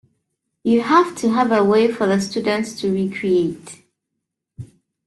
You have to have a way for the students to recreate.